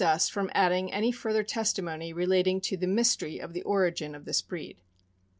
441 us from adding any further testimony relating to the "mystery" of the origin of this breed.